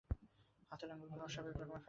হাতের আঙুলগুলো অস্বাভাবিক রকমের ফ্যাকাসে।